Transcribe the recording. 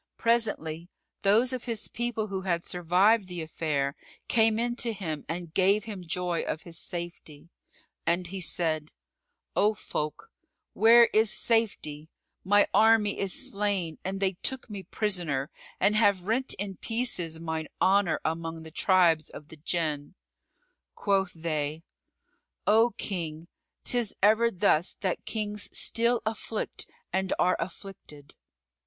Presently, those of his people who had survived the affair came in to him and gave him joy of his safety; and he said, "O folk, where is safety? My army is slain and they took me prisoner and have rent in pieces mine honour among the tribes of the Jann." Quoth they, "O King, 'tis ever thus that kings still afflict and are afflicted."